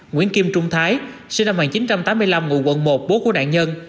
nguyễn kim trung thái sinh năm một nghìn chín trăm tám mươi năm ngụ quận một bố của nạn nhân